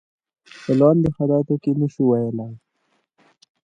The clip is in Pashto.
په لاندې حالاتو کې نشو ویلای.